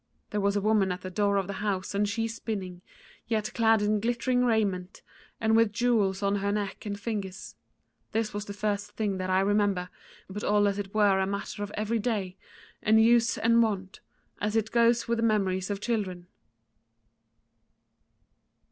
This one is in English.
There was a woman at the door of the house and she spinning, yet clad in glittering raiment, and with jewels on her neck and fingers; this was the first thing that I remember, but all as it were a matter of every day, and use and wont, as it goes with the memories of children.